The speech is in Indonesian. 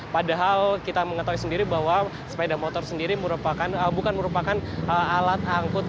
padahal kita mengetahui sendiri bahwa sepeda motor sendiri bukan merupakan alat angkut